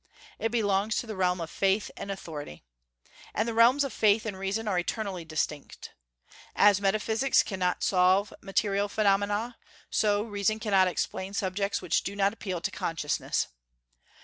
It belongs to the realm of faith and authority. And the realms of faith and reason are eternally distinct. As metaphysics cannot solve material phenomena, so reason cannot explain subjects which do not appeal to consciousness.